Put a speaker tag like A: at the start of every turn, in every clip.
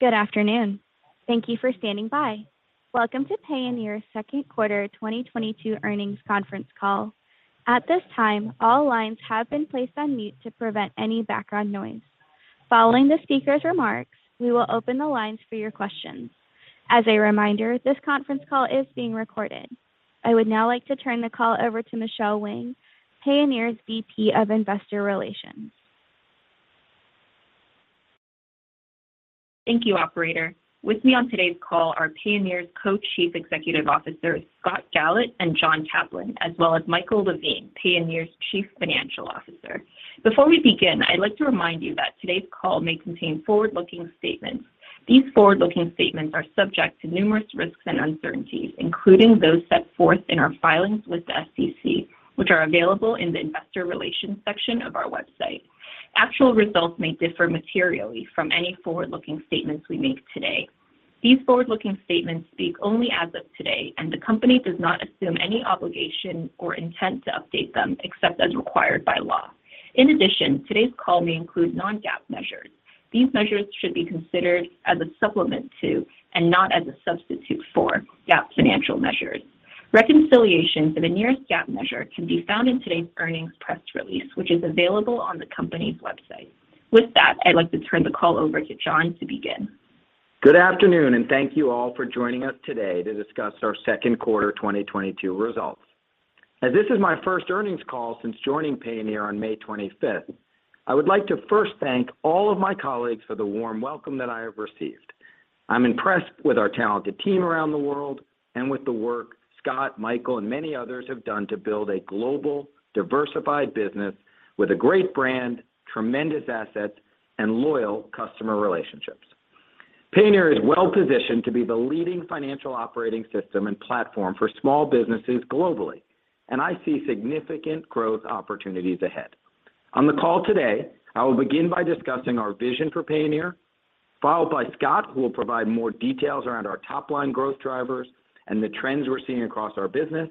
A: Good afternoon. Thank you for standing by. Welcome to Payoneer's second quarter 2022 earnings conference call. At this time, all lines have been placed on mute to prevent any background noise. Following the speaker's remarks, we will open the lines for your questions. As a reminder, this conference call is being recorded. I would now like to turn the call over to Michelle Wang, Payoneer's VP of Investor Relations.
B: Thank you, operator. With me on today's call are Payoneer's Co-Chief Executive Officers, Scott Galit and John Caplan, as well as Michael Levine, Payoneer's Chief Financial Officer. Before we begin, I'd like to remind you that today's call may contain forward-looking statements. These forward-looking statements are subject to numerous risks and uncertainties, including those set forth in our filings with the SEC, which are available in the investor relations section of our website. Actual results may differ materially from any forward-looking statements we make today. These forward-looking statements speak only as of today, and the company does not assume any obligation or intent to update them except as required by law. In addition, today's call may include non-GAAP measures. These measures should be considered as a supplement to and not as a substitute for GAAP financial measures. Reconciliations of the nearest GAAP measure can be found in today's earnings press release, which is available on the company's website. With that, I'd like to turn the call over to John to begin.
C: Good afternoon, and thank you all for joining us today to discuss our second quarter 2022 results. This is my first earnings call since joining Payoneer on May 25. I would like to first thank all of my colleagues for the warm welcome that I have received. I'm impressed with our talented team around the world and with the work Scott, Michael, and many others have done to build a global, diversified business with a great brand, tremendous assets, and loyal customer relationships. Payoneer is well-positioned to be the leading financial operating system and platform for small businesses globally, and I see significant growth opportunities ahead. On the call today, I will begin by discussing our vision for Payoneer, followed by Scott, who will provide more details around our top line growth drivers and the trends we're seeing across our business,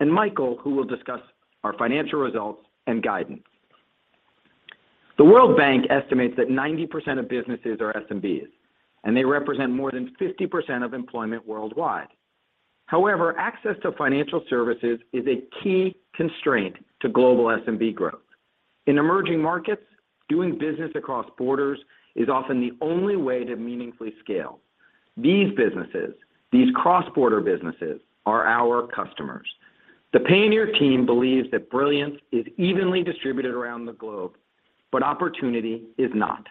C: and Michael, who will discuss our financial results and guidance. The World Bank estimates that 90% of businesses are SMBs, and they represent more than 50% of employment worldwide. However, access to financial services is a key constraint to global SMB growth. In emerging markets, doing business across borders is often the only way to meaningfully scale. These businesses, these cross-border businesses, are our customers. The Payoneer team believes that brilliance is evenly distributed around the globe, but opportunity is not.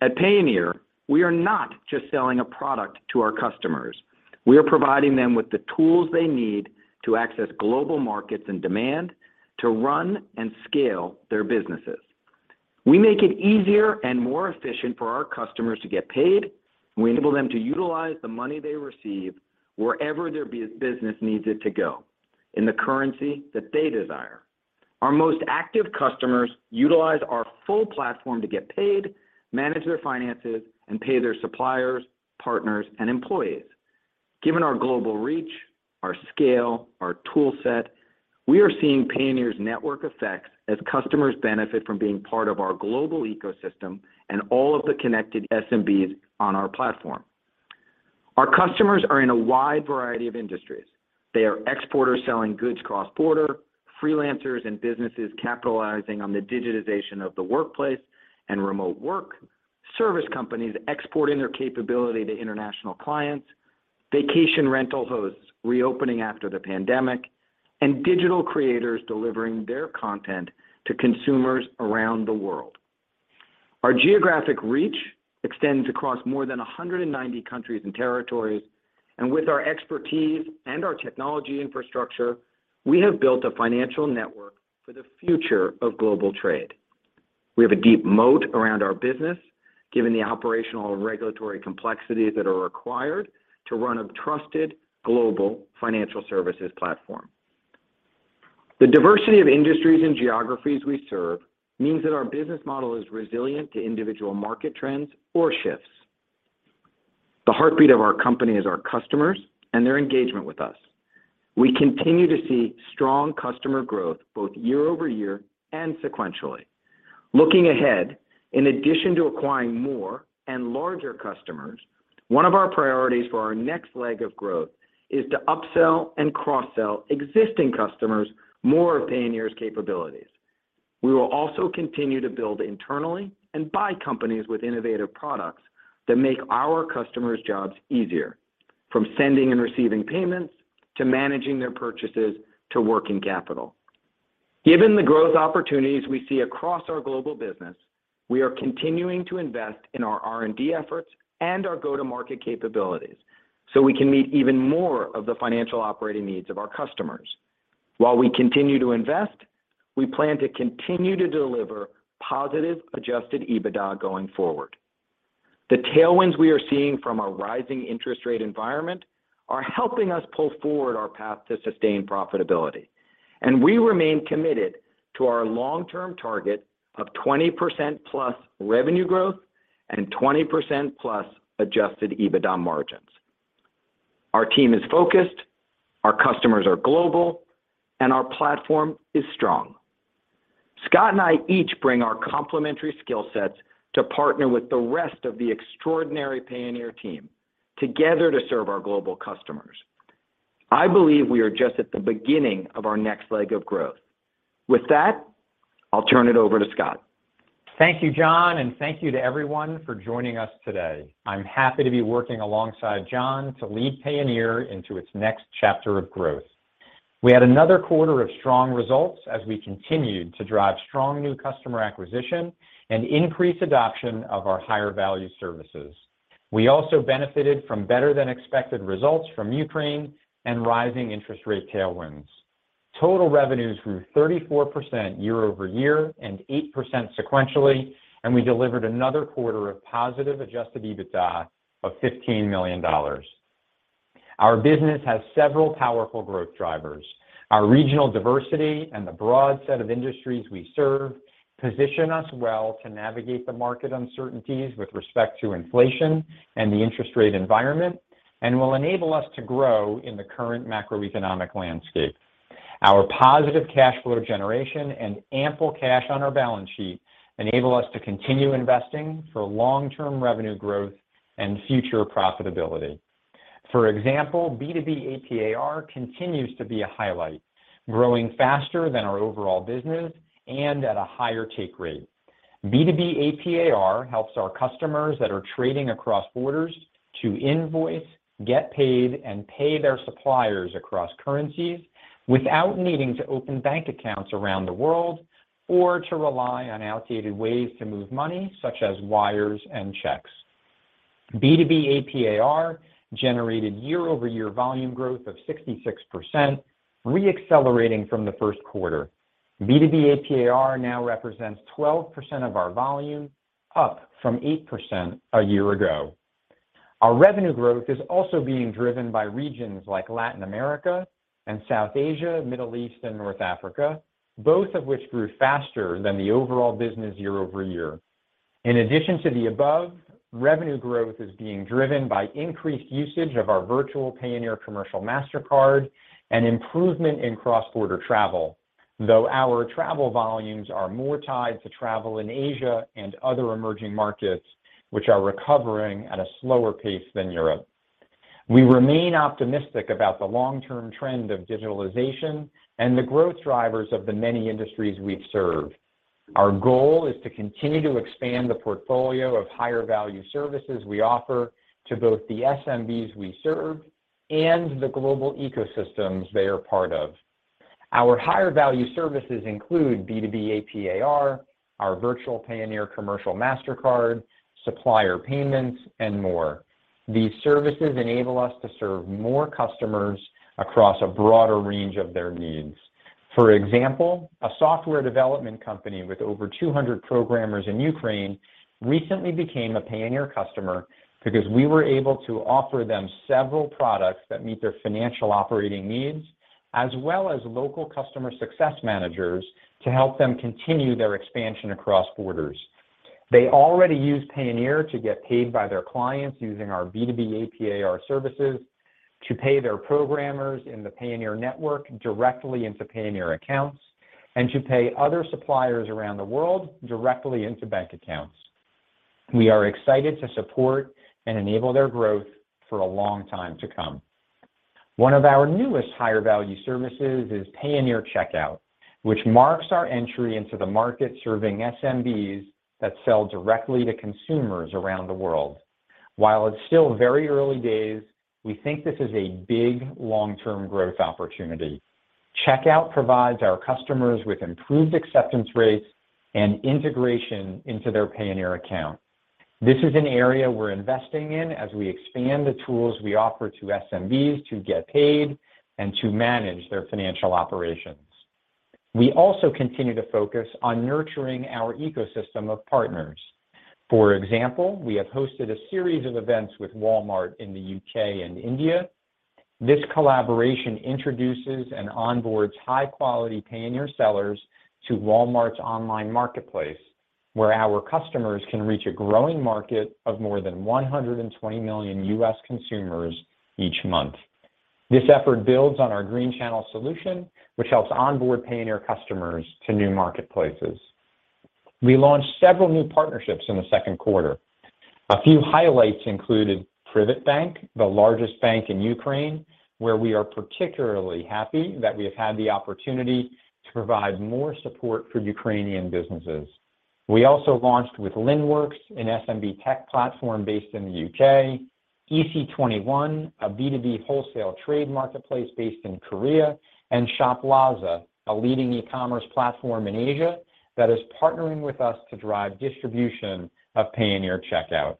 C: At Payoneer, we are not just selling a product to our customers. We are providing them with the tools they need to access global markets and demand to run and scale their businesses. We make it easier and more efficient for our customers to get paid. We enable them to utilize the money they receive wherever their business needs it to go in the currency that they desire. Our most active customers utilize our full platform to get paid, manage their finances, and pay their suppliers, partners, and employees. Given our global reach, our scale, our tool set, we are seeing Payoneer's network effects as customers benefit from being part of our global ecosystem and all of the connected SMBs on our platform. Our customers are in a wide variety of industries. They are exporters selling goods cross-border, freelancers and businesses capitalizing on the digitization of the workplace and remote work, service companies exporting their capability to international clients, vacation rental hosts reopening after the pandemic, and digital creators delivering their content to consumers around the world. Our geographic reach extends across more than 190 countries and territories, and with our expertise and our technology infrastructure, we have built a financial network for the future of global trade. We have a deep moat around our business, given the operational and regulatory complexities that are required to run a trusted global financial services platform. The diversity of industries and geographies we serve means that our business model is resilient to individual market trends or shifts. The heartbeat of our company is our customers and their engagement with us. We continue to see strong customer growth both year over year and sequentially. Looking ahead, in addition to acquiring more and larger customers, one of our priorities for our next leg of growth is to upsell and cross-sell existing customers more of Payoneer's capabilities. We will also continue to build internally and buy companies with innovative products that make our customers' jobs easier, from sending and receiving payments, to managing their purchases, to working capital. Given the growth opportunities we see across our global business, we are continuing to invest in our R&D efforts and our go-to-market capabilities, so we can meet even more of the financial operating needs of our customers. While we continue to invest, we plan to continue to deliver positive Adjusted EBITDA going forward. The tailwinds we are seeing from our rising interest rate environment are helping us pull forward our path to sustained profitability, and we remain committed to our long-term target of 20%+ revenue growth and 20%+ adjusted EBITDA margins. Our team is focused, our customers are global, and our platform is strong. Scott and I each bring our complementary skill sets to partner with the rest of the extraordinary Payoneer team together to serve our global customers. I believe we are just at the beginning of our next leg of growth. With that, I'll turn it over to Scott.
D: Thank you, John, and thank you to everyone for joining us today. I'm happy to be working alongside John to lead Payoneer into its next chapter of growth. We had another quarter of strong results as we continued to drive strong new customer acquisition and increase adoption of our higher-value services. We also benefited from better than expected results from Ukraine and rising interest rate tailwinds. Total revenues grew 34% year-over-year and 8% sequentially, and we delivered another quarter of positive Adjusted EBITDA of $15 million. Our business has several powerful growth drivers. Our regional diversity and the broad set of industries we serve position us well to navigate the market uncertainties with respect to inflation and the interest rate environment and will enable us to grow in the current macroeconomic landscape. Our positive cash flow generation and ample cash on our balance sheet enable us to continue investing for long-term revenue growth and future profitability. For example, B2B AP/AR continues to be a highlight, growing faster than our overall business and at a higher take rate. B2B AP/AR helps our customers that are trading across borders to invoice, get paid, and pay their suppliers across currencies without needing to open bank accounts around the world or to rely on outdated ways to move money, such as wires and checks. B2B AP/AR generated year-over-year volume growth of 66%, re-accelerating from the first quarter. B2B AP/AR now represents 12% of our volume, up from 8% a year ago. Our revenue growth is also being driven by regions like Latin America and South Asia, Middle East and North Africa, both of which grew faster than the overall business year over year. In addition to the above, revenue growth is being driven by increased usage of our virtual Payoneer commercial Mastercard and improvement in cross-border travel. Though our travel volumes are more tied to travel in Asia and other emerging markets, which are recovering at a slower pace than Europe. We remain optimistic about the long-term trend of digitalization and the growth drivers of the many industries we've served. Our goal is to continue to expand the portfolio of higher-value services we offer to both the SMBs we serve and the global ecosystems they are part of. Our higher-value services include B2B AP/AR, our virtual Payoneer commercial Mastercard, supplier payments, and more. These services enable us to serve more customers across a broader range of their needs. For example, a software development company with over 200 programmers in Ukraine recently became a Payoneer customer because we were able to offer them several products that meet their financial operating needs, as well as local customer success managers to help them continue their expansion across borders. They already use Payoneer to get paid by their clients using our B2B AP/AR services to pay their programmers in the Payoneer network directly into Payoneer accounts and to pay other suppliers around the world directly into bank accounts. We are excited to support and enable their growth for a long time to come. One of our newest higher-value services is Payoneer Checkout, which marks our entry into the market serving SMBs that sell directly to consumers around the world. While it's still very early days, we think this is a big long-term growth opportunity. Checkout provides our customers with improved acceptance rates and integration into their Payoneer account. This is an area we're investing in as we expand the tools we offer to SMBs to get paid and to manage their financial operations. We also continue to focus on nurturing our ecosystem of partners. For example, we have hosted a series of events with Walmart in the U.K. and India. This collaboration introduces and onboards high-quality Payoneer sellers to Walmart's online marketplace, where our customers can reach a growing market of more than 120 million U.S. consumers each month. This effort builds on our Green Channel solution, which helps onboard Payoneer customers to new marketplaces. We launched several new partnerships in the second quarter. A few highlights included PrivatBank, the largest bank in Ukraine, where we are particularly happy that we have had the opportunity to provide more support for Ukrainian businesses. We also launched with Linnworks, an SMB tech platform based in the UK, EC21, a B2B wholesale trade marketplace based in Korea, and Shoplazza, a leading e-commerce platform in Asia that is partnering with us to drive distribution of Payoneer Checkout.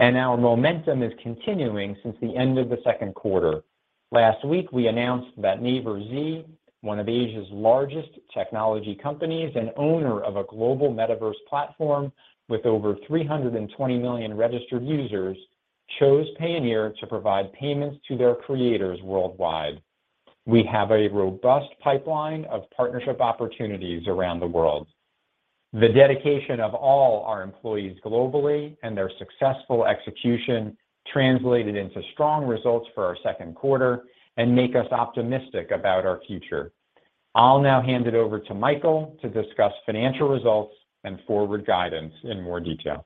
D: Our momentum is continuing since the end of the second quarter. Last week, we announced that Naver Z, one of Asia's largest technology companies and owner of a global metaverse platform with over 320 million registered users, chose Payoneer to provide payments to their creators worldwide. We have a robust pipeline of partnership opportunities around the world. The dedication of all our employees globally and their successful execution translated into strong results for our second quarter and make us optimistic about our future. I'll now hand it over to Michael to discuss financial results and forward guidance in more detail.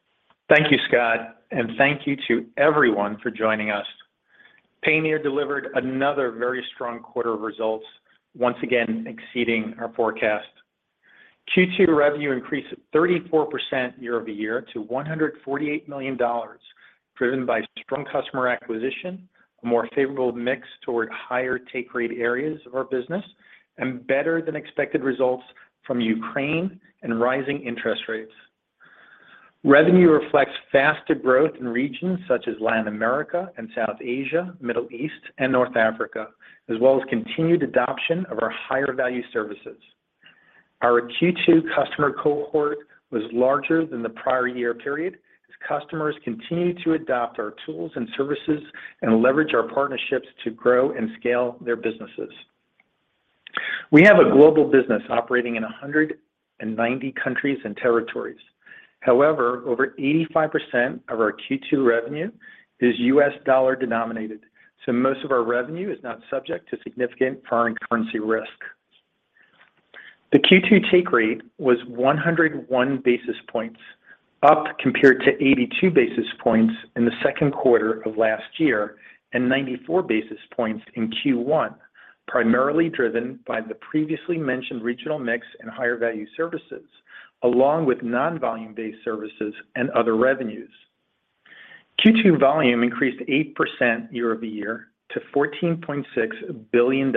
E: Thank you, Scott, and thank you to everyone for joining us. Payoneer delivered another very strong quarter of results, once again exceeding our forecast. Q2 revenue increased 34% year-over-year to $148 million, driven by strong customer acquisition, a more favorable mix toward higher take rate areas of our business, and better than expected results from Ukraine and rising interest rates. Revenue reflects faster growth in regions such as Latin America and South Asia, Middle East, and North Africa, as well as continued adoption of our higher value services. Our Q2 customer cohort was larger than the prior year period as customers continued to adopt our tools and services and leverage our partnerships to grow and scale their businesses. We have a global business operating in 190 countries and territories. However, over 85% of our Q2 revenue is US dollar denominated, so most of our revenue is not subject to significant foreign currency risk. The Q2 take rate was 101 basis points, up compared to 82 basis points in the second quarter of last year and 94 basis points in Q1, primarily driven by the previously mentioned regional mix and higher value services, along with non-volume based services and other revenues. Q2 volume increased 8% year-over-year to $14.6 billion.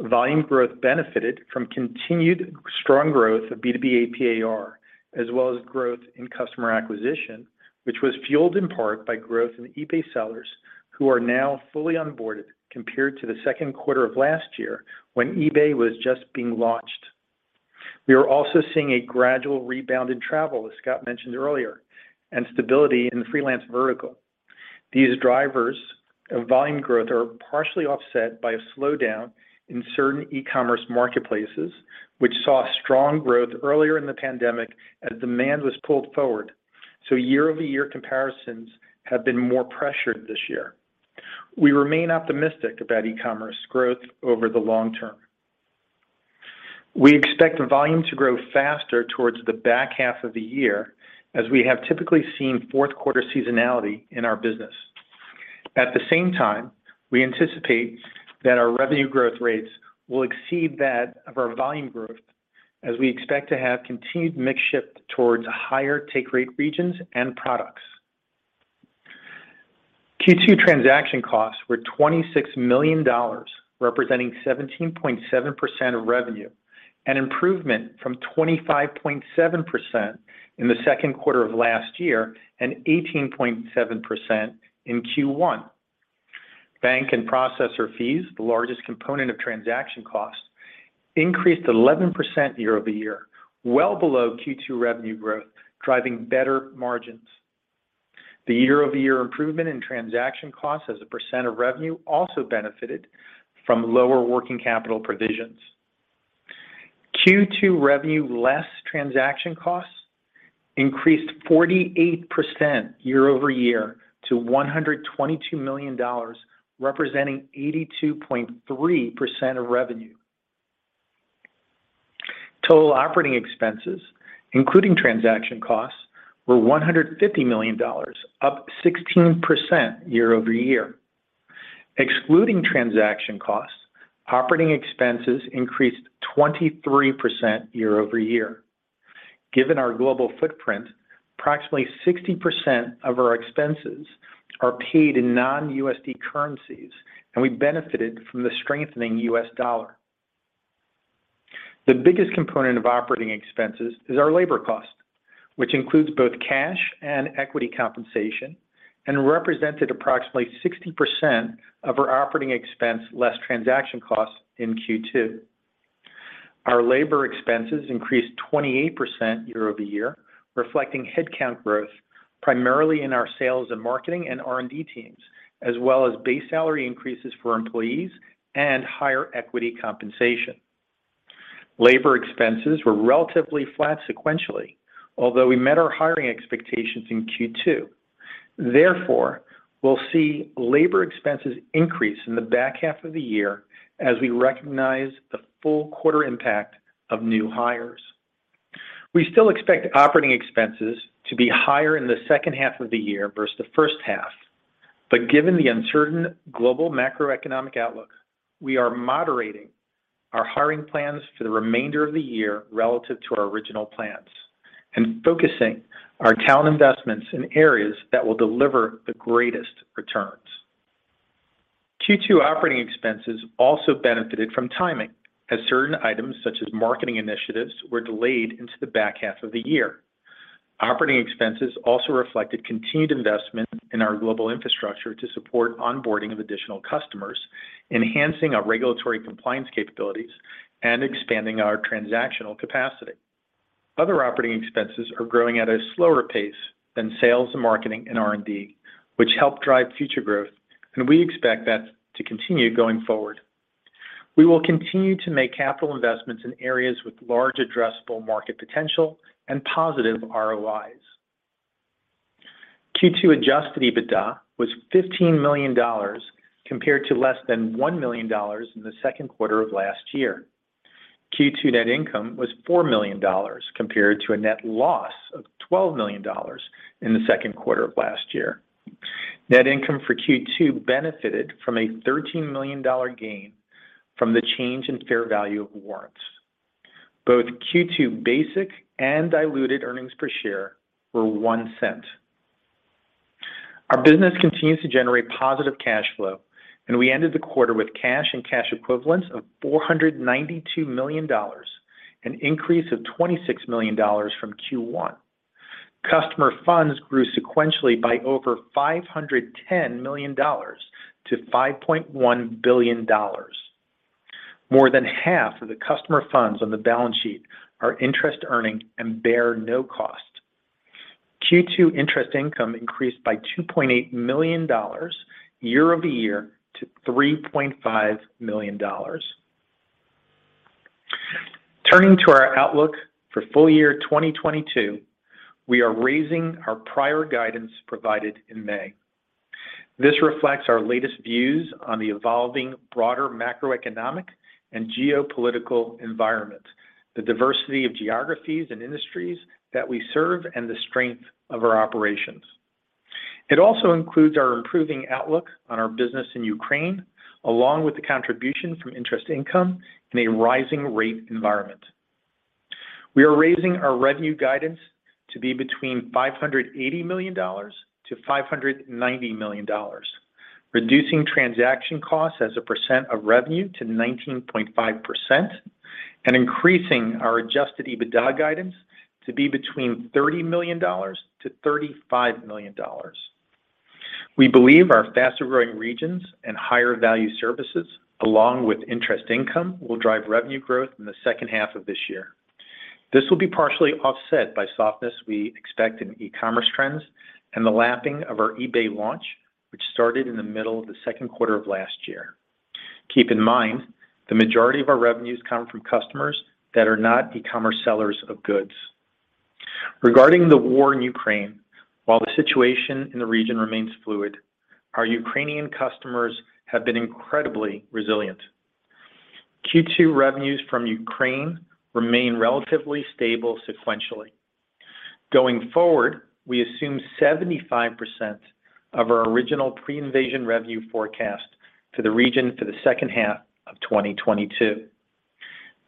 E: Volume growth benefited from continued strong growth of B2B AP/AR, as well as growth in customer acquisition, which was fueled in part by growth in eBay sellers who are now fully onboarded compared to the second quarter of last year when eBay was just being launched. We are also seeing a gradual rebound in travel, as Scott mentioned earlier, and stability in the freelance vertical. These drivers of volume growth are partially offset by a slowdown in certain e-commerce marketplaces, which saw strong growth earlier in the pandemic as demand was pulled forward. Year-over-year comparisons have been more pressured this year. We remain optimistic about e-commerce growth over the long term. We expect volume to grow faster towards the back half of the year as we have typically seen fourth quarter seasonality in our business. At the same time, we anticipate that our revenue growth rates will exceed that of our volume growth as we expect to have continued mix shift towards higher take rate regions and products. Q2 transaction costs were $26 million, representing 17.7% of revenue, an improvement from 25.7% in the second quarter of last year and 18.7% in Q1. Bank and processor fees, the largest component of transaction costs, increased 11% year-over-year, well below Q2 revenue growth, driving better margins. The year-over-year improvement in transaction costs as a percent of revenue also benefited from lower working capital provisions. Q2 revenue less transaction costs increased 48% year-over-year to $122 million representing 82.3% of revenue. Total operating expenses, including transaction costs, were $150 million, up 16% year-over-year. Excluding transaction costs, operating expenses increased 23% year-over-year. Given our global footprint, approximately 60% of our expenses are paid in non-USD currencies, and we benefited from the strengthening US dollar. The biggest component of operating expenses is our labor cost, which includes both cash and equity compensation, and represented approximately 60% of our operating expense less transaction costs in Q2. Our labor expenses increased 28% year-over-year, reflecting headcount growth primarily in our sales and marketing and R&D teams, as well as base salary increases for employees and higher equity compensation. Labor expenses were relatively flat sequentially, although we met our hiring expectations in Q2. Therefore, we'll see labor expenses increase in the back half of the year as we recognize the full quarter impact of new hires. We still expect operating expenses to be higher in the second half of the year versus the first half. Given the uncertain global macroeconomic outlook, we are moderating our hiring plans for the remainder of the year relative to our original plans and focusing our talent investments in areas that will deliver the greatest returns. Q2 operating expenses also benefited from timing as certain items such as marketing initiatives were delayed into the back half of the year. Operating expenses also reflected continued investment in our global infrastructure to support onboarding of additional customers, enhancing our regulatory compliance capabilities, and expanding our transactional capacity. Other operating expenses are growing at a slower pace than sales and marketing and R&D, which help drive future growth, and we expect that to continue going forward. We will continue to make capital investments in areas with large addressable market potential and positive ROIs. Q2 Adjusted EBITDA was $15 million compared to less than $1 million in the second quarter of last year. Q2 net income was $4 million compared to a net loss of $12 million in the second quarter of last year. Net income for Q2 benefited from a $13 million gain from the change in fair value of warrants. Both Q2 basic and diluted earnings per share were $0.01. Our business continues to generate positive cash flow, and we ended the quarter with cash and cash equivalents of $492 million, an increase of $26 million from Q1. Customer funds grew sequentially by over $510 million to $5.1 billion. More than half of the customer funds on the balance sheet are interest earning and bear no cost. Q2 interest income increased by $2.8 million year-over-year to $3.5 million. Turning to our outlook for full year 2022, we are raising our prior guidance provided in May. This reflects our latest views on the evolving broader macroeconomic and geopolitical environment, the diversity of geographies and industries that we serve, and the strength of our operations. It also includes our improving outlook on our business in Ukraine, along with the contribution from interest income in a rising rate environment. We are raising our revenue guidance to be between $580 million and $590 million, reducing transaction costs as a percent of revenue to 19.5%, and increasing our Adjusted EBITDA guidance to be between $30 million and $35 million. We believe our faster-growing regions and higher value services along with interest income will drive revenue growth in the second half of this year. This will be partially offset by softness we expect in e-commerce trends and the lapping of our eBay launch, which started in the middle of the second quarter of last year. Keep in mind, the majority of our revenues come from customers that are not e-commerce sellers of goods. Regarding the war in Ukraine, while the situation in the region remains fluid, our Ukrainian customers have been incredibly resilient. Q2 revenues from Ukraine remain relatively stable sequentially. Going forward, we assume 75% of our original pre-invasion revenue forecast to the region for the second half of 2022.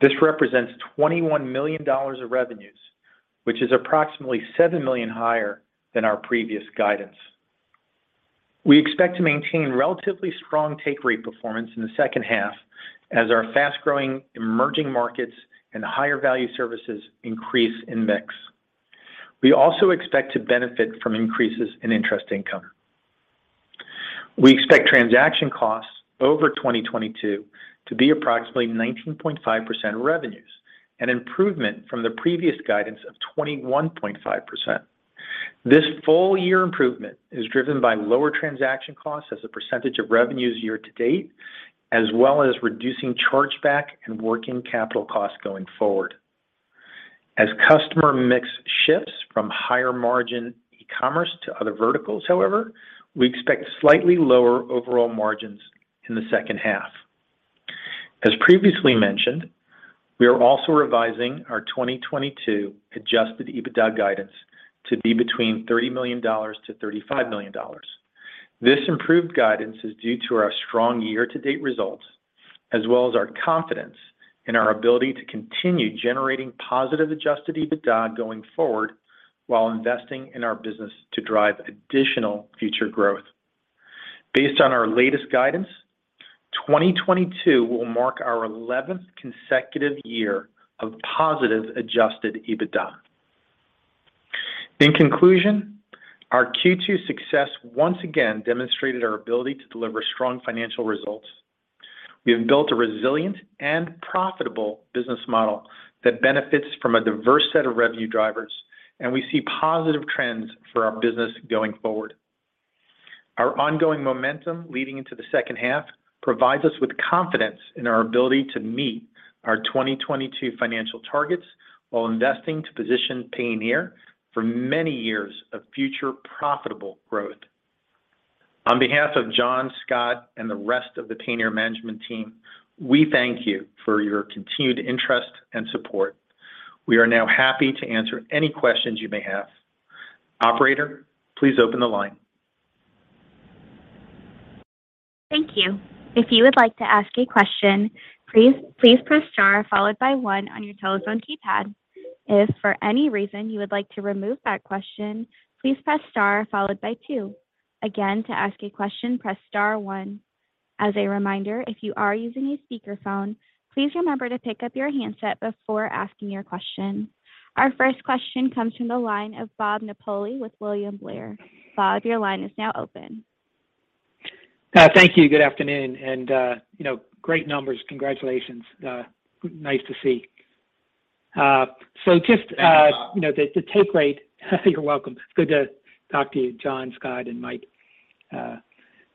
E: This represents $21 million of revenues, which is approximately $7 million higher than our previous guidance. We expect to maintain relatively strong take rate performance in the second half as our fast-growing emerging markets and higher value services increase in mix. We also expect to benefit from increases in interest income. We expect transaction costs over 2022 to be approximately 19.5% of revenues, an improvement from the previous guidance of 21.5%. This full year improvement is driven by lower transaction costs as a percentage of revenues year to date, as well as reducing chargeback and working capital costs going forward. As customer mix shifts from higher margin e-commerce to other verticals, however, we expect slightly lower overall margins in the second half. As previously mentioned, we are also revising our 2022 Adjusted EBITDA guidance to be between $30 million to $35 million. This improved guidance is due to our strong year-to-date results, as well as our confidence in our ability to continue generating positive Adjusted EBITDA going forward while investing in our business to drive additional future growth. Based on our latest guidance, 2022 will mark our eleventh consecutive year of positive Adjusted EBITDA. In conclusion, our Q2 success once again demonstrated our ability to deliver strong financial results. We have built a resilient and profitable business model that benefits from a diverse set of revenue drivers, and we see positive trends for our business going forward. Our ongoing momentum leading into the second half provides us with confidence in our ability to meet our 2022 financial targets while investing to position Payoneer for many years of future profitable growth. On behalf of John, Scott, and the rest of the Payoneer management team, we thank you for your continued interest and support. We are now happy to answer any questions you may have. Operator, please open the line.
A: Thank you. If you would like to ask a question, please press star followed by one on your telephone keypad. If for any reason you would like to remove that question, please press star followed by two. Again, to ask a question, press star one. As a reminder, if you are using a speakerphone, please remember to pick up your handset before asking your question. Our first question comes from the line of Bob Napoli with William Blair. Bob, your line is now open.
F: Thank you. Good afternoon. You know, great numbers. Congratulations. Nice to see. Uh, so just, uh-
D: Thank you, Bob.
F: You know, the take rate. You're welcome. It's good to talk to you, John Caplan, Scott Galit, and Michael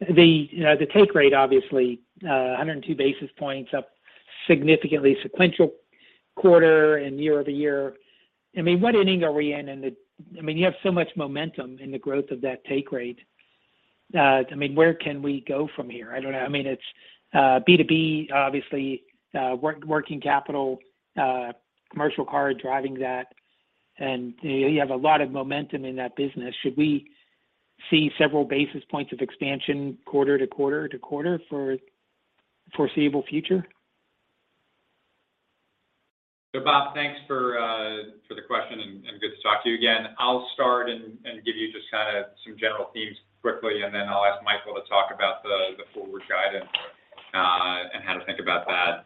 F: Levine. The take rate, obviously, 102 basis points up significantly sequentially quarter-over-quarter and year-over-year. I mean, what inning are we in? I mean, you have so much momentum in the growth of that take rate. I mean, where can we go from here? I don't know. I mean, it's B2B, obviously, working capital, commercial card driving that. You have a lot of momentum in that business. Should we see several basis points of expansion quarter to quarter to quarter for foreseeable future?
D: Bob, thanks for the question and good to talk to you again. I'll start and give you just kinda some general themes quickly, and then I'll ask Michael to talk about the forward guidance and how to think about that.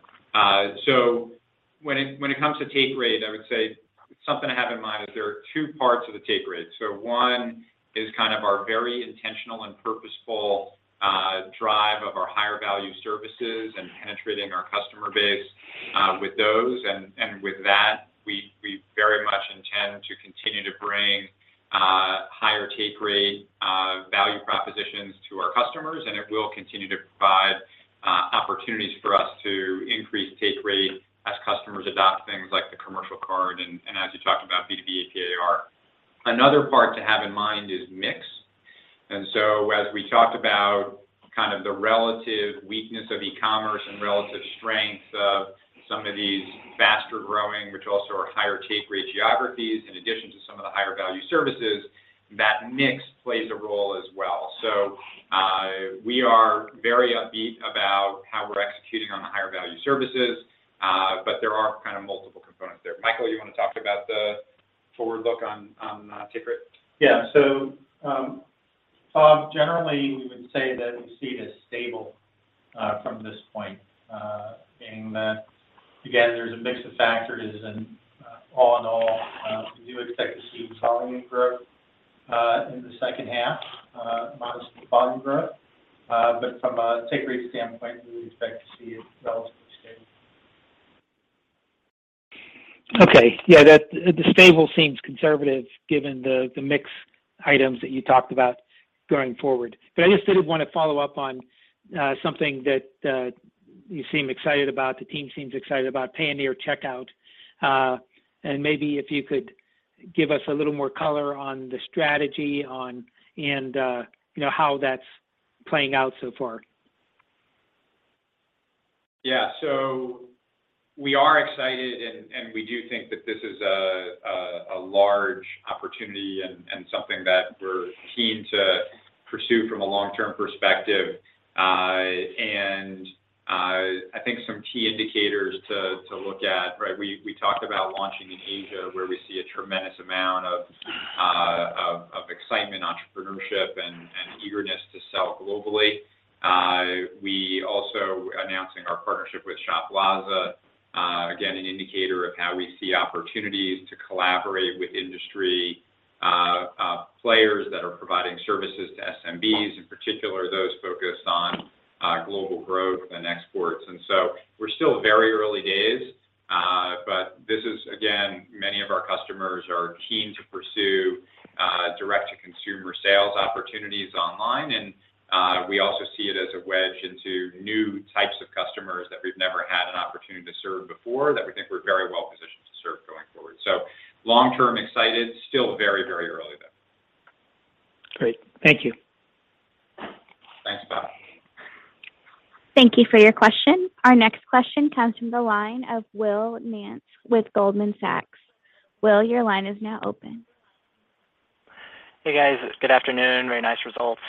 D: When it comes to take rate, I would say something to have in mind is there are two parts of the take rate. One is kind of our very intentional and purposeful drive of our higher value services and penetrating our customer base with those. With that, we very much intend to continue to bring higher take rate value propositions to our customers, and it will continue to provide opportunities for us to increase take rate as customers adopt things like the commercial card and as you talked about B2B AP/AR. Another part to have in mind is mix. As we talked about kind of the relative weakness of e-commerce and relative strength of some of these faster growing, which also are higher take rate geographies, in addition to some of the higher value services, that mix plays a role as well. We are very upbeat about how we're executing on the higher value services, but there are kind of multiple components there. Michael, you wanna talk about the forward look on take rate?
E: Yeah. Generally we would say that we see it as stable, from this point, being that again, there's a mix of factors and, all in all, we do expect to see volume growth, in the second half, modest volume growth. From a take rate standpoint, we would expect to see it relatively stable.
F: Okay. Yeah, that the stable seems conservative given the mix items that you talked about going forward. I just did wanna follow up on something that you seem excited about, the team seems excited about, Payoneer Checkout. Maybe if you could give us a little more color on the strategy and, you know, how that's playing out so far.
D: Yeah. We are excited and we do think that this is a large opportunity and something that we're keen to pursue from a long-term perspective. I think some key indicators to look at, right? We talked about launching in Asia where we see a tremendous amount of excitement, entrepreneurship and eagerness to sell globally. We also announcing our partnership with Shoplazza, again, an indicator of how we see opportunities to collaborate with industry players that are providing services to SMBs, in particular, those focused on global growth and exports. We're still very early days, but this is, again, many of our customers are keen to pursue direct to consumer sales opportunities online. We also see it as a wedge into new types of customers that we've never had an opportunity to serve before that we think we're very well positioned to serve going forward. Long term excited, still very, very early though.
F: Great. Thank you.
D: Thanks, Bob.
A: Thank you for your question. Our next question comes from the line of Will Nance with Goldman Sachs. Will, your line is now open.
G: Hey guys. Good afternoon. Very nice results.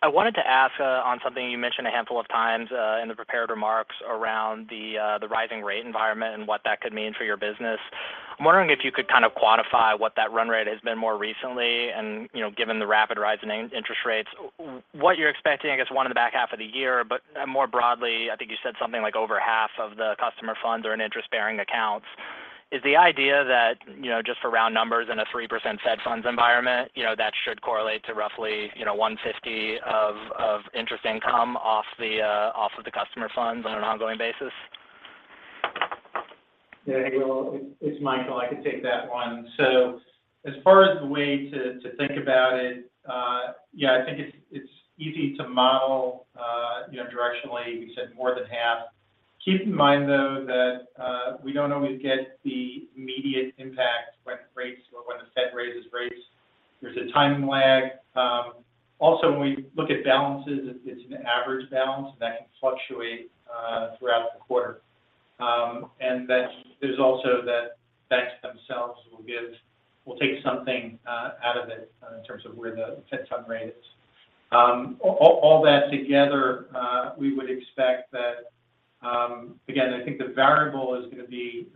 G: I wanted to ask on something you mentioned a handful of times in the prepared remarks around the rising rate environment and what that could mean for your business. I'm wondering if you could kind of quantify what that run rate has been more recently, and you know, given the rapid rise in interest rates, what you're expecting, I guess, or in the back half of the year, but more broadly, I think you said something like over half of the customer funds are in interest bearing accounts. Is the idea that, you know, just for round numbers in a 3% Fed funds environment, you know, that should correlate to roughly, you know, $150 million of interest income off of the customer funds on an ongoing basis?
E: Yeah, Will, it's Michael. I can take that one. As far as the way to think about it, yeah, I think it's easy to model, you know, directionally, we said more than half. Keep in mind though that, we don't always get the immediate impact when rates or when the Fed raises rates. There's a time lag. Also, when we look at balances, it's an average balance that can fluctuate, throughout the quarter. Then there's also the banks themselves will take something, out of it in terms of where the Fed funds rate is. All that together, we would expect that. Again, I think the variable is gonna be,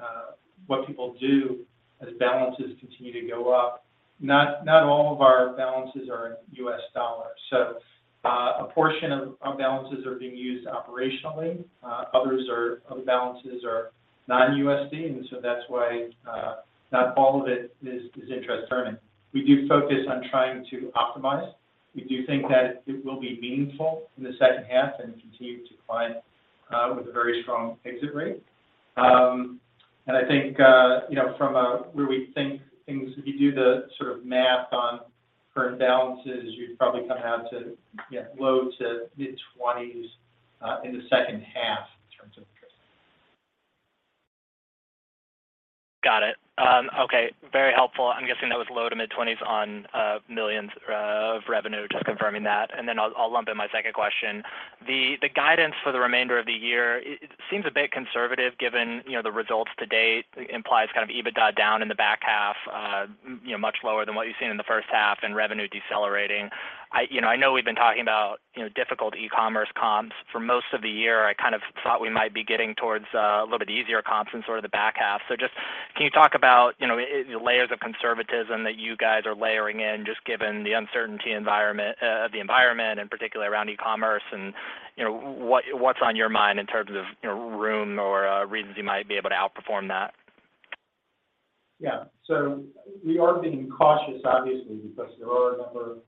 E: what people do as balances continue to go up. Not all of our balances are in US dollars, so a portion of balances are being used operationally. Other balances are non-USD, and so that's why not all of it is interest earning. We do focus on trying to optimize. We do think that it will be meaningful in the second half and continue to climb with a very strong exit rate. I think you know from a where we think things if you do the sort of math on current balances, you'd probably come out to yeah low- to mid-20s in the second half in terms of interest.
G: Got it. Okay. Very helpful. I'm guessing that was $20 million-$25 million of revenue. Just confirming that. I'll lump in my second question. The guidance for the remainder of the year, it seems a bit conservative given, you know, the results to date. Implies kind of EBITDA down in the back half, you know, much lower than what you've seen in the first half, and revenue decelerating. I know we've been talking about, you know, difficult e-commerce comps for most of the year. I kind of thought we might be getting towards a little bit easier comps in sort of the back half. Just can you talk about, you know, layers of conservatism that you guys are layering in, just given the uncertain environment, the environment and particularly around e-commerce and, you know, what's on your mind in terms of, you know, room or, reasons you might be able to outperform that?
E: Yeah. We are being cautious obviously because there are a number of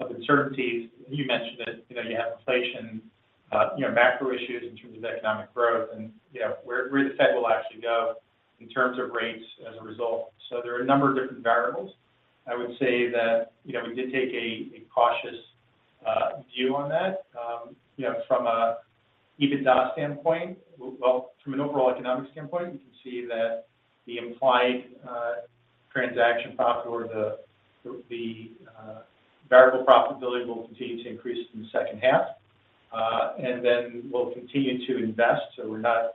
E: uncertainties. You mentioned it, you know, you have inflation, you know, macro issues in terms of economic growth and, you know, where the Fed will actually go in terms of rates as a result. There are a number of different variables. I would say that, you know, we did take a cautious view on that. You know, from an overall economic standpoint, you can see that the implied transaction profit or the variable profitability will continue to increase in the second half. We'll continue to invest. We're not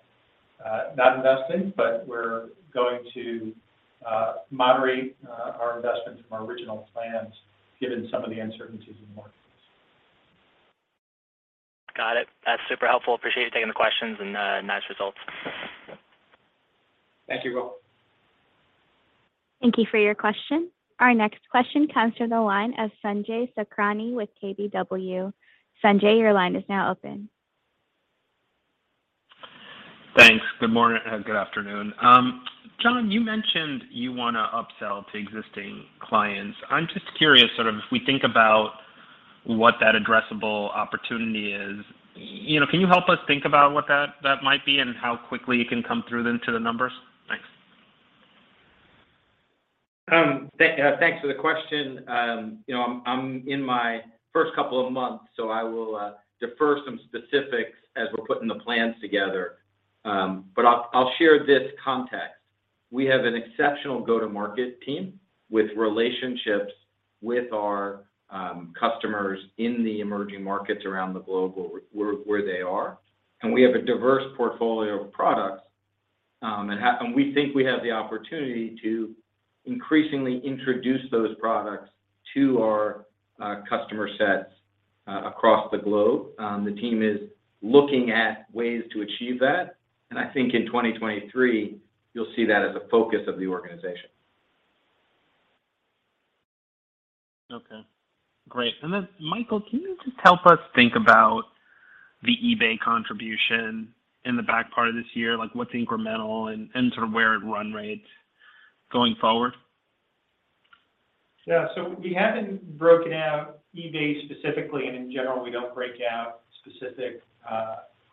E: investing, but we're going to moderate our investment from our original plans given some of the uncertainties in the marketplace.
G: Got it. That's super helpful. Appreciate you taking the questions and nice results.
E: Thank you, Will.
A: Thank you for your question. Our next question comes from the line of Sanjay Sakhrani with KBW. Sanjay, your line is now open.
H: Thanks. Good morning, good afternoon. John, you mentioned you wanna upsell to existing clients. I'm just curious, sort of if we think about what that addressable opportunity is, you know, can you help us think about what that might be and how quickly you can come through then to the numbers? Thanks.
E: Thanks for the question. You know, I'm in my first couple of months, so I will defer some specifics as we're putting the plans together. I'll share this context. We have an exceptional go-to-market team with relationships with our customers in the emerging markets around the globe where they are. We have a diverse portfolio of products, and we think we have the opportunity to increasingly introduce those products to our customer sets across the globe. The team is looking at ways to achieve that, and I think in 2023 you'll see that as a focus of the organization.
H: Okay, great. Michael, can you just help us think about the eBay contribution in the back part of this year? Like, what's incremental and sort of where it run rates going forward?
E: Yeah. We haven't broken out eBay specifically, and in general, we don't break out specific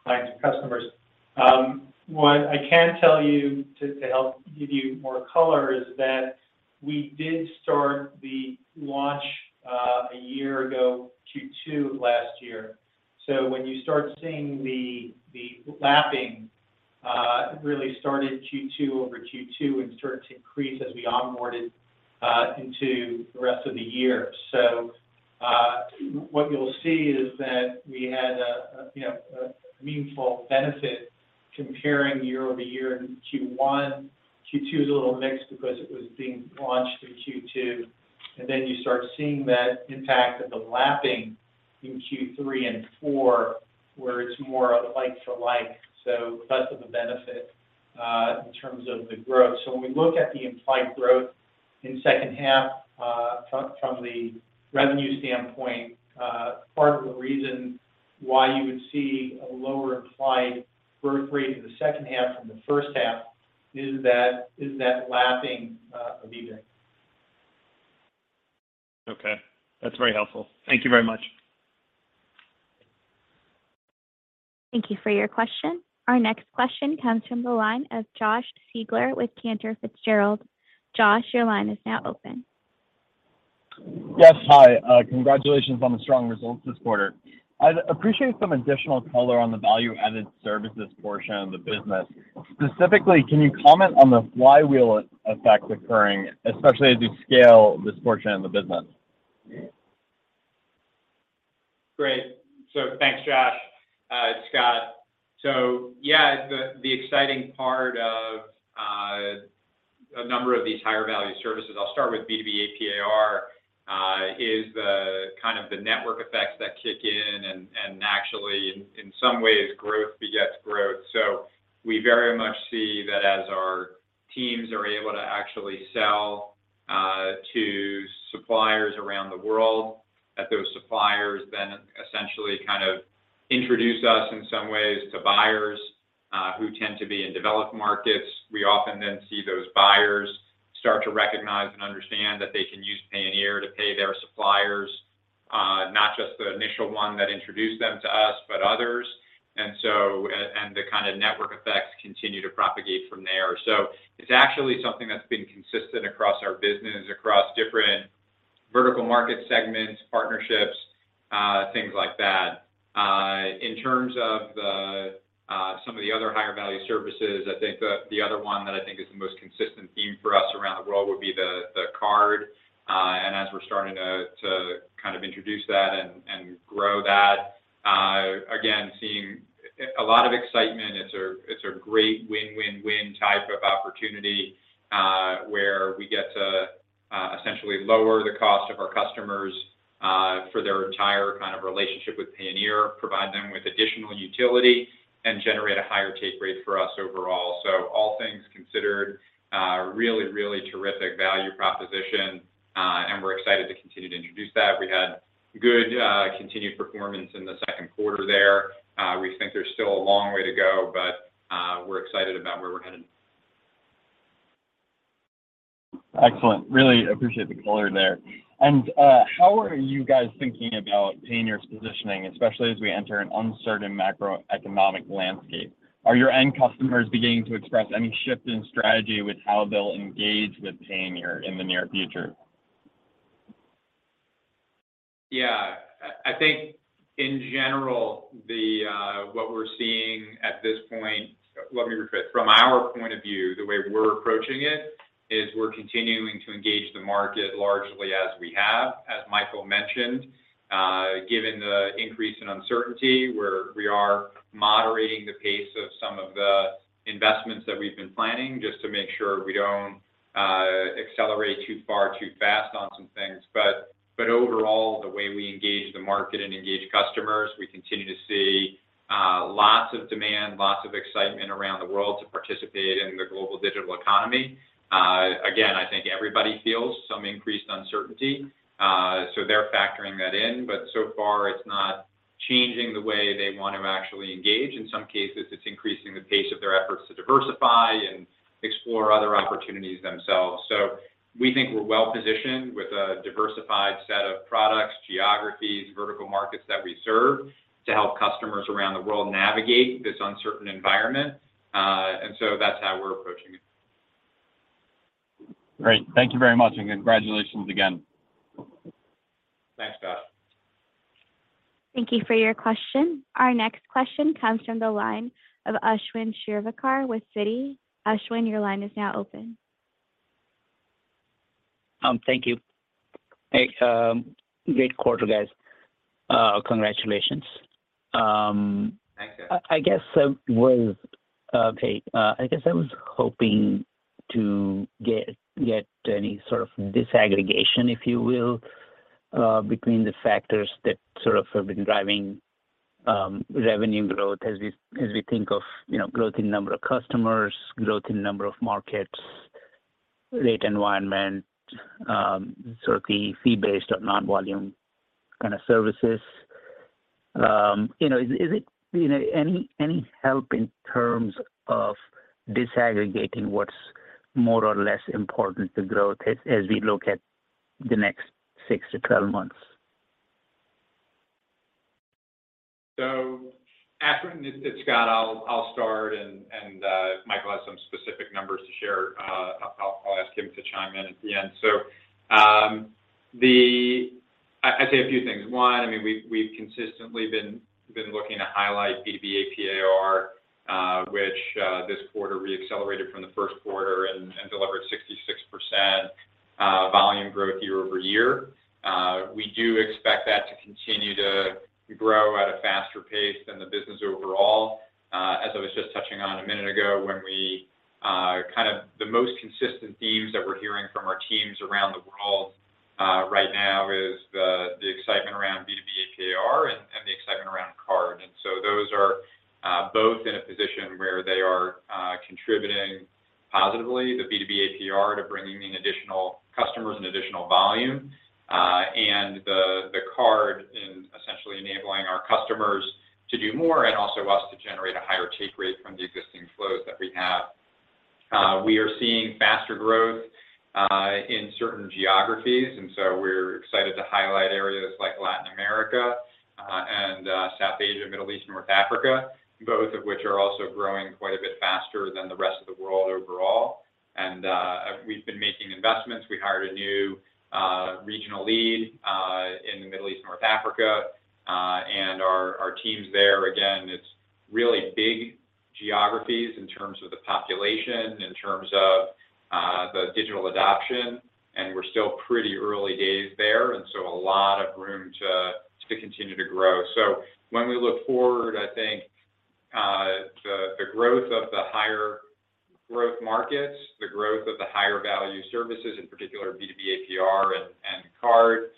E: clients or customers. What I can tell you to help give you more color is that we did start the launch a year ago, Q2 last year. When you start seeing the lapping really started Q2 over Q2 and started to increase as we onboarded into the rest of the year. What you'll see is that we had a you know a meaningful benefit comparing year-over-year in Q1. Q2 is a little mixed because it was being launched in Q2. You start seeing that impact of the lapping in Q3 and Q4, where it's more of like-for-like, so less of a benefit in terms of the growth. When we look at the implied growth in second half from the revenue standpoint, part of the reason why you would see a lower implied growth rate in the second half from the first half is that lapping of eBay.
H: Okay. That's very helpful. Thank you very much.
A: Thank you for your question. Our next question comes from the line of Josh Siegler with Cantor Fitzgerald. Josh, your line is now open.
I: Yes. Hi. Congratulations on the strong results this quarter. I'd appreciate some additional color on the value-added services portion of the business. Specifically, can you comment on the flywheel effect occurring, especially as you scale this portion of the business?
E: Great. Thanks, Josh. It's Scott. Yeah, the exciting part of a number of these higher value services, I'll start with B2B AP/AR, is the kind of network effects that kick in and naturally in some ways, growth begets growth. We very much see that as our teams are able to actually sell
D: Suppliers around the world, that those suppliers then essentially kind of introduce us in some ways to buyers, who tend to be in developed markets. We often then see those buyers start to recognize and understand that they can use Payoneer to pay their suppliers, not just the initial one that introduced them to us, but others. The kind of network effects continue to propagate from there. It's actually something that's been consistent across our business, across different vertical market segments, partnerships, things like that. In terms of the, some of the other higher value services, I think the other one that I think is the most consistent theme for us around the world would be the card. As we're starting to kind of introduce that and grow that, again, seeing a lot of excitement. It's a great win-win-win type of opportunity, where we get to essentially lower the cost of our customers for their entire kind of relationship with Payoneer, provide them with additional utility, and generate a higher take rate for us overall. All things considered, really terrific value proposition, and we're excited to continue to introduce that. We had good continued performance in the second quarter there. We think there's still a long way to go, but we're excited about where we're headed.
I: Excellent. Really appreciate the color there. How are you guys thinking about Payoneer's positioning, especially as we enter an uncertain macroeconomic landscape? Are your end customers beginning to express any shift in strategy with how they'll engage with Payoneer in the near future?
D: Yeah. I think in general, the what we're seeing at this point. Let me rephrase. From our point of view, the way we're approaching it is we're continuing to engage the market largely as we have. As Michael mentioned, given the increase in uncertainty, we are moderating the pace of some of the investments that we've been planning, just to make sure we don't accelerate too far too fast on some things. Overall, the way we engage the market and engage customers, we continue to see lots of demand, lots of excitement around the world to participate in the global digital economy. Again, I think everybody feels some increased uncertainty, so they're factoring that in. So far, it's not changing the way they want to actually engage. In some cases, it's increasing the pace of their efforts to diversify and explore other opportunities themselves. We think we're well-positioned with a diversified set of products, geographies, vertical markets that we serve to help customers around the world navigate this uncertain environment. That's how we're approaching it.
I: Great. Thank you very much, and congratulations again.
D: Thanks, Scott.
A: Thank you for your question. Our next question comes from the line of Ashwin Shirvaikar with Citi. Ashwin, your line is now open.
J: Thank you. Hey, great quarter, guys. Congratulations.
D: Thanks, Ashwin.
J: I guess I was hoping to get any sort of disaggregation, if you will, between the factors that sort of have been driving revenue growth as we think of, you know, growth in number of customers, growth in number of markets, rate environment, sort of the fee-based or non-volume kinda services. You know, is it any help in terms of disaggregating what's more or less important to growth as we look at the next six to 12 months?
D: Ashwin Shirvaikar, it's Scott. I'll start and if Michael Levine has some specific numbers to share, I'll ask him to chime in at the end. I'd say a few things. One, I mean, we've consistently been looking to highlight B2B AP/AR, which this quarter re-accelerated from the first quarter and delivered 66% volume growth year over year. We do expect that to continue to grow at a faster pace than the business overall. As I was just touching on a minute ago, when we kind of the most consistent themes that we're hearing from our teams around the world right now is the excitement around B2B AP/AR and the excitement around Card. Those are both in a position where they are contributing positively, the B2B AP/AR, to bringing in additional customers and additional volume. The Card, in essentially enabling our customers to do more and also us to generate a higher take rate from the existing flows that we have. We are seeing faster growth in certain geographies, and so we're excited to highlight areas like Latin America, and South Asia, Middle East, North Africa, both of which are also growing quite a bit faster than the rest of the world overall. We've been making investments. We hired a new regional lead in the Middle East and North Africa. our teams there, again, it's really big geographies in terms of the population, in terms of the digital adoption, and we're still pretty early days there, and so a lot of room to continue to grow. When we look forward, I think, the growth of the higher growth markets, the growth of the higher value services, in particular B2B AP/AR and Card,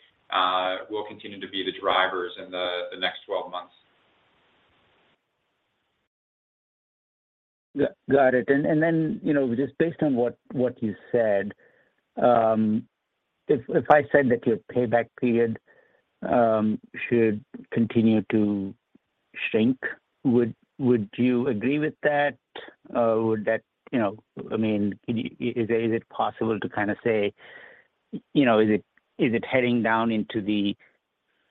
D: will continue to be the drivers in the next
K: Got it. You know, just based on what you said, if I said that your payback period should continue to shrink, would you agree with that? Would that, you know, I mean, is it possible to kind of say, you know, is it heading down into the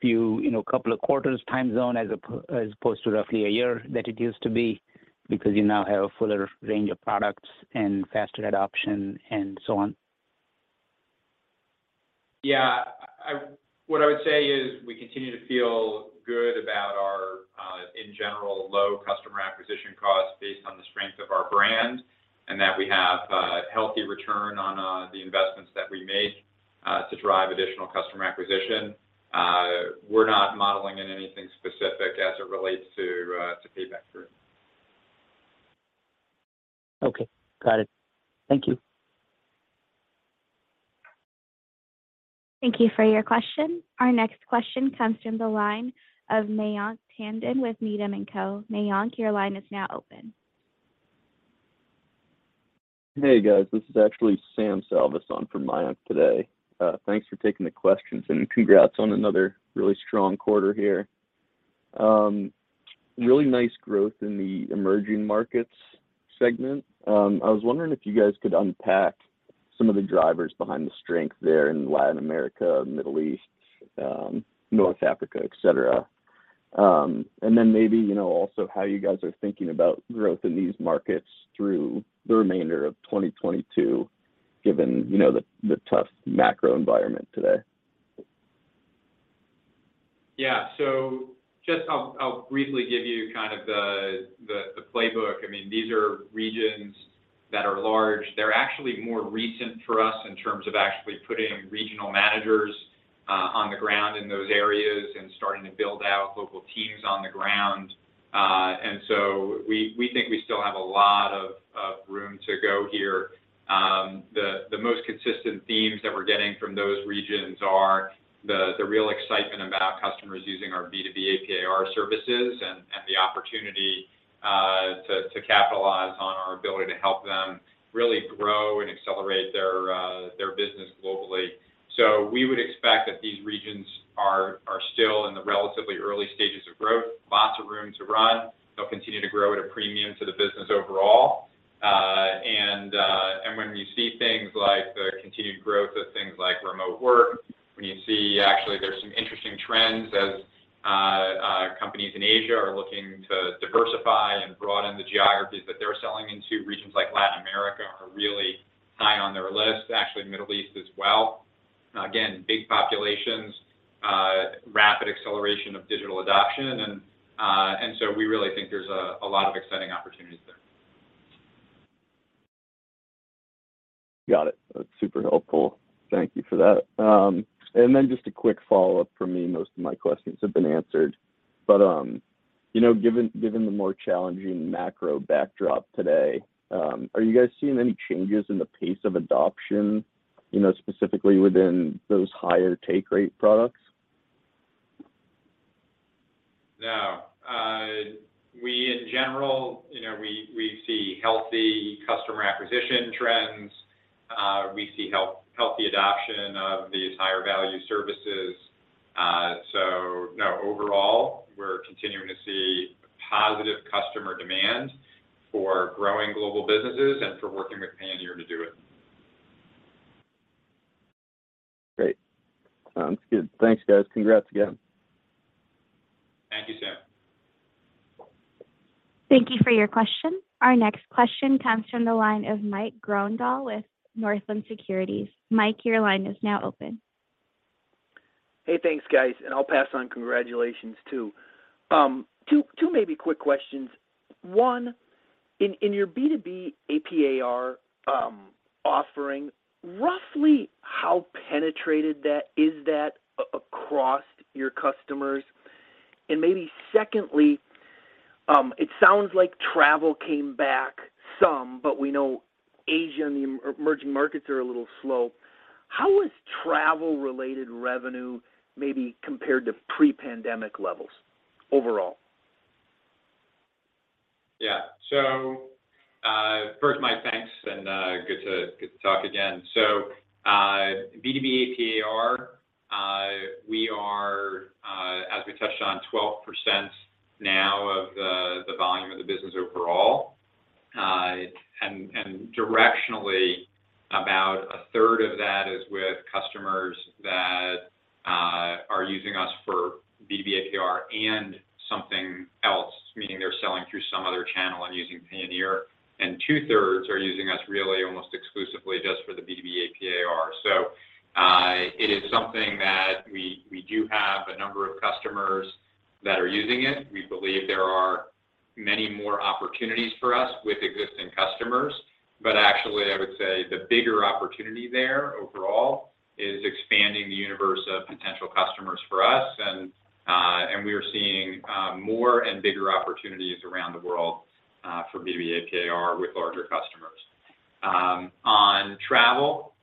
K: few, you know, couple of quarters time zone as opposed to roughly a year that it used to be, because you now have a fuller range of products and faster adoption and so on?
D: Yeah. What I would say is we continue to feel good about our in general low customer acquisition costs based on the strength of our brand, and that we have a healthy return on the investments that we make to drive additional customer acquisition. We're not modeling in anything specific as it relates to payback period.
K: Okay. Got it. Thank you.
A: Thank you for your question. Our next question comes from the line of Mayank Tandon with Needham & Company. Mayank, your line is now open.
L: Hey, guys. This is actually Sam Salveson for Mayank today. Thanks for taking the questions, and congrats on another really strong quarter here. Really nice growth in the emerging markets segment. I was wondering if you guys could unpack some of the drivers behind the strength there in Latin America, Middle East, North Africa, et cetera. Maybe, you know, also how you guys are thinking about growth in these markets through the remainder of 2022, given, you know, the tough macro environment today.
D: Yeah. Just I'll briefly give you kind of the playbook. I mean, these are regions that are large. They're actually more recent for us in terms of actually putting regional managers on the ground in those areas and starting to build out local teams on the ground. We think we still have a lot of room to go here. The most consistent themes that we're getting from those regions are the real excitement about customers using our B2B AP/AR services and the opportunity to capitalize on our ability to help them really grow and accelerate their business globally. We would expect that these regions are still in the relatively early stages of growth, lots of room to run. They'll continue to grow at a premium to the business overall. When you see things like the continued growth of things like remote work, when you see actually there's some interesting trends as companies in Asia are looking to diversify and broaden the geographies that they're selling into, regions like Latin America are really high on their list, actually Middle East as well. Again, big populations, rapid acceleration of digital adoption. We really think there's a lot of exciting opportunities there.
L: Got it. That's super helpful. Thank you for that. Just a quick follow-up from me. Most of my questions have been answered. You know, given the more challenging macro backdrop today, are you guys seeing any changes in the pace of adoption, you know, specifically within those higher take rate products?
D: No. We, in general, you know, we see healthy customer acquisition trends. We see healthy adoption of these higher value services. No, overall, we're continuing to see positive customer demand for growing global businesses and for working with Payoneer to do it.
L: Great. Sounds good. Thanks, guys. Congrats again.
D: Thank you, Sam.
A: Thank you for your question. Our next question comes from the line of Mike Grondahl with Northland Securities. Mike, your line is now open.
K: Hey, thanks, guys. I'll pass on congratulations, too. Two maybe quick questions. One, in your B2B AP/AR offering, roughly how penetrated that is across your customers? Maybe secondly, it sounds like travel came back some, but we know Asia and the emerging markets are a little slow. How is travel-related revenue maybe compared to pre-pandemic levels overall?
D: Yeah. First, Mike, thanks, and good to talk again. B2B AP/AR, we are, as we touched on, 12% now of the volume of the business overall. Directionally, about a third of that is with customers that are using us for B2B AP/AR and something else, meaning they're selling through some other channel and using Payoneer. Two-thirds are using us really almost exclusively just for the B2B AP/AR. It is something that we do have a number of customers that are using it. We believe there are many more opportunities for us with existing customers. Actually, I would say the bigger opportunity there overall is expanding the universe of potential customers for us. We are seeing more and bigger opportunities around the world for B2B AP/AR with larger customers. On travel,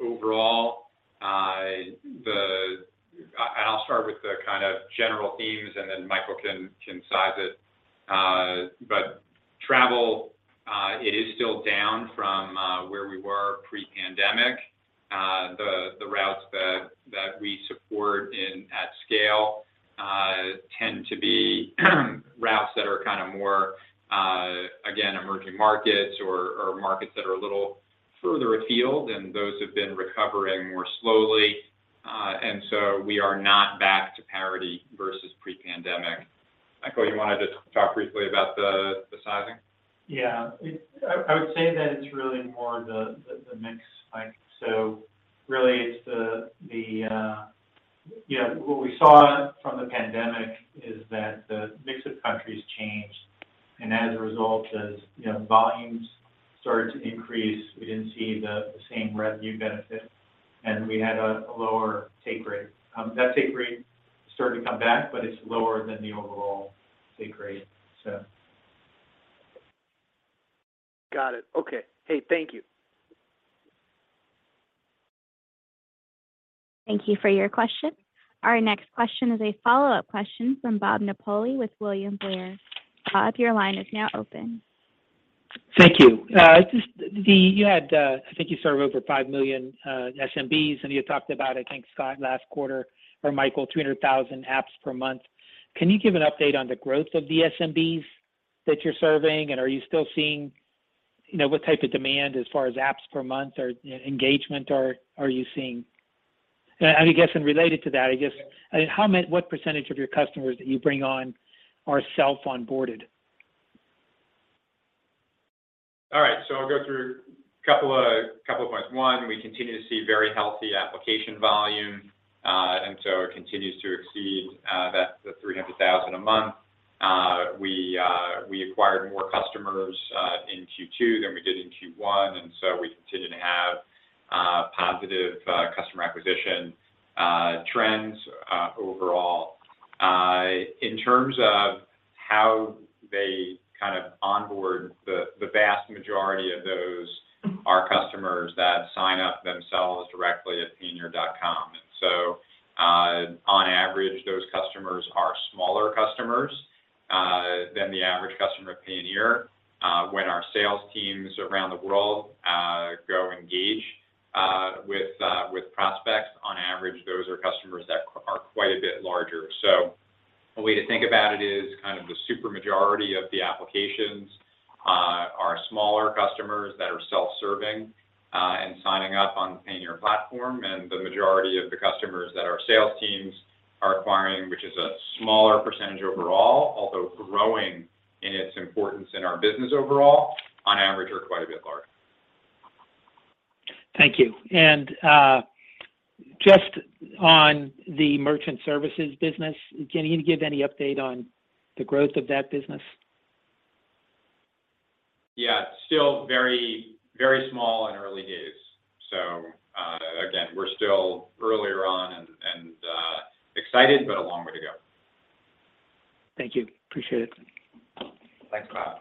D: overall general themes, and then Michael can size it. Travel, it is still down from where we were pre-pandemic. The routes that we support at scale tend to be routes that are kind of more, again, emerging markets or markets that are a little further afield, and those have been recovering more slowly. We are not back to parity versus pre-pandemic. Michael, you wanted to talk briefly about the sizing?
E: Yeah. I would say that it's really more the mix, Mike. Really it's the you know what we saw from the pandemic is that the mix of countries changed. As a result, as you know, volumes started to increase, we didn't see the same revenue benefit, and we had a lower take rate. That take rate started to come back, but it's lower than the overall take rate.
K: Got it. Okay. Hey, thank you.
A: Thank you for your question. Our next question is a follow-up question from Bob Napoli with William Blair. Bob, your line is now open.
F: Thank you. I think you serve over 5 million SMBs, and you talked about, I think, Scott, last quarter, or Michael, 200,000 apps per month. Can you give an update on the growth of the SMBs that you're serving, and are you still seeing, you know, what type of demand as far as apps per month or, you know, engagement are you seeing? I guess, related to that, I guess, I mean, what percentage of your customers that you bring on are self-onboarded?
D: All right, I'll go through a couple of points. One, we continue to see very healthy application volume. It continues to exceed the 300,000 a month. We acquired more customers in Q2 than we did in Q1, and we continue to have positive customer acquisition trends overall. In terms of how they kind of onboard, the vast majority of those are customers that sign up themselves directly at Payoneer.com. On average, those customers are smaller customers than the average customer at Payoneer. When our sales teams around the world go engage with prospects, on average, those are customers that are quite a bit larger. A way to think about it is kind of the supermajority of the applications are smaller customers that are self-serve and signing up on Payoneer platform. The majority of the customers that our sales teams are acquiring, which is a smaller percentage overall, although growing in its importance in our business overall, on average are quite a bit larger.
F: Thank you. Just on the merchant services business, can you give any update on the growth of that business?
D: Yeah. Still very, very small and early days. Again, we're still earlier on and excited, but a long way to go.
F: Thank you. Appreciate it.
D: Thanks, Bob.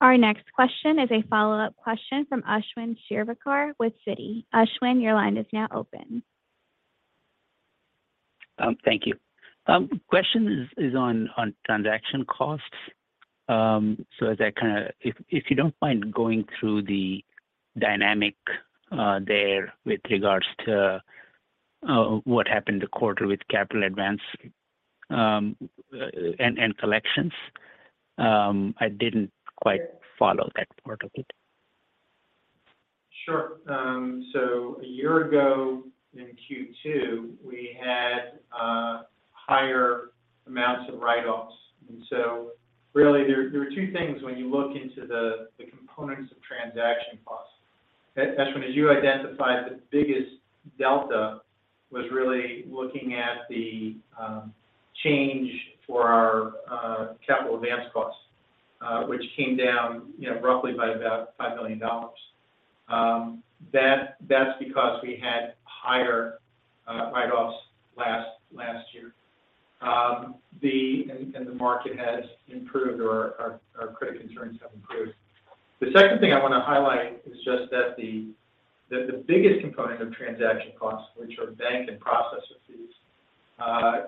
A: Our next question is a follow-up question from Ashwin Shirvaikar with Citi. Ashwin, your line is now open.
J: Thank you. Question is on transaction costs. If you don't mind going through the dynamics there with regards to what happened the quarter with capital advance and collections. I didn't quite follow that part of it.
E: Sure. So a year ago in Q2, we had higher amounts of write-offs. Really there are two things when you look into the components of transaction costs. As when you identify the biggest delta, was really looking at the change for our capital advance costs, which came down, you know, roughly by about $5 million. That's because we had higher write-offs last year. The market has improved or our credit concerns have improved. The second thing I wanna highlight is just that the biggest component of transaction costs, which are bank and processor fees,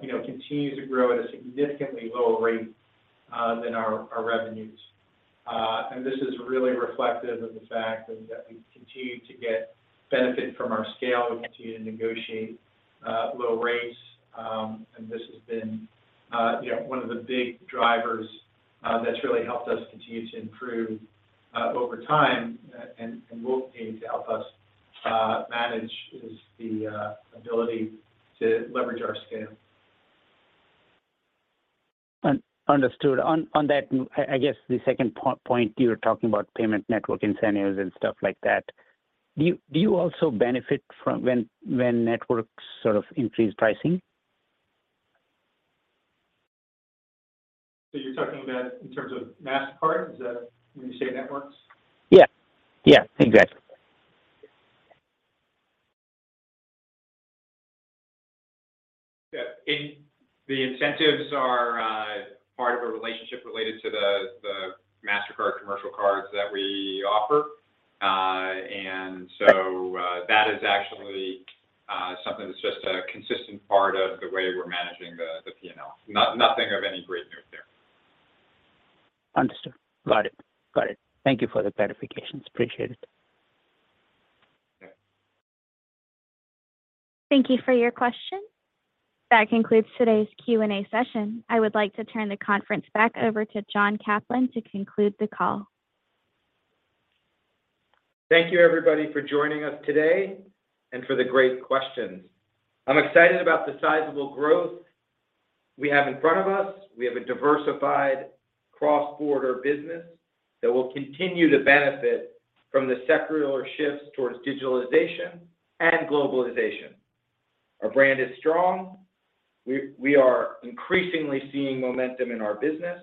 E: you know, continues to grow at a significantly lower rate than our revenues. This is really reflective of the fact that we continue to get benefit from our scale. We continue to negotiate low rates. This has been, you know, one of the big drivers that's really helped us continue to improve over time, and will continue to help us manage, is the ability to leverage our scale.
J: Understood. On that, I guess the second point you were talking about payment network incentives and stuff like that, do you also benefit from when networks sort of increase pricing?
E: You're talking about in terms of Mastercard? Is that when you say networks?
J: Yeah. Yeah. Exactly.
D: Yeah. The incentives are part of a relationship related to the Mastercard commercial cards that we offer. That is actually something that's just a consistent part of the way we're managing the P&L. Nothing of any great note there.
J: Understood. Got it. Thank you for the clarifications. Appreciate it.
D: Okay.
A: Thank you for your question. That concludes today's Q&A session. I would like to turn the conference back over to John Caplan to conclude the call.
D: Thank you everybody for joining us today and for the great questions. I'm excited about the sizable growth we have in front of us. We have a diversified cross-border business that will continue to benefit from the secular shifts towards digitalization and globalization. Our brand is strong. We are increasingly seeing momentum in our business,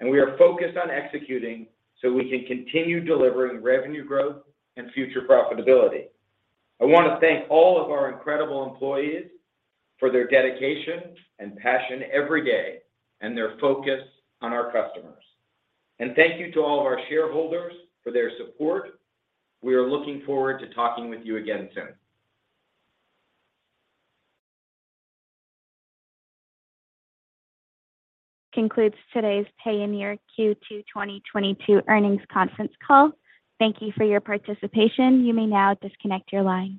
D: and we are focused on executing so we can continue delivering revenue growth and future profitability. I wanna thank all of our incredible employees for their dedication and passion every day, and their focus on our customers. Thank you to all of our shareholders for their support. We are looking forward to talking with you again soon.
A: Concludes today's Payoneer Q2 2022 earnings conference call. Thank you for your participation. You may now disconnect your line.